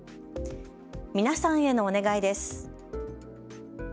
皆さんへのお願いです。